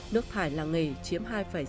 nước thải làng nghề chiếm hai sáu mươi năm